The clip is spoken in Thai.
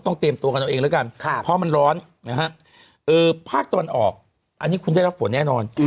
ต้องเตรียมตัวของตัวเองแล้วกันพอมันร้อนภาคตอนออกอันนี้คุณจะรับฝนแน่นอน